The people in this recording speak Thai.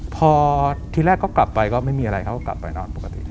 พอทีแรกก็กลับไปก็ไม่มีอะไรเขาก็กลับไปนอนปกติ